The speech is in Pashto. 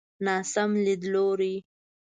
ناسم ليدلوری.